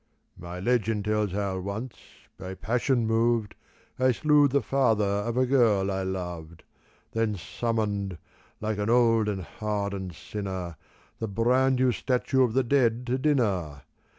My legend tells how once, by passion moved, I slew the father of a girl I loved. Then summoned — like an old and hardened sinner The brand new statue of the dead to dinner.